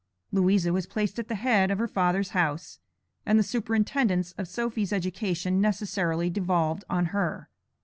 Louisa was placed at the head of her father's house, and the superintendence of Sophy's education necessarily devolved on her.